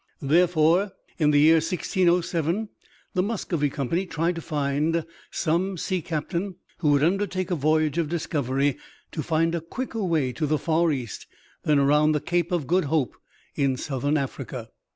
Therefore, in the year 1607, the Muscovy Company tried to find some sea captain who would undertake a voyage of discovery to find a quicker way to the Far East than around the Cape of Good Hope in southern Africa.